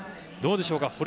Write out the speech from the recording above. どうでしょうか